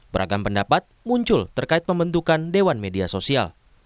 beragam pendapat muncul terkait pembentukan dewan media sosial